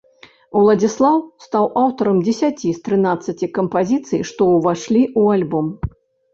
Уладзіслаў стаў аўтарам дзесяці з трынаццаці кампазіцый, што ўвайшлі ў альбом.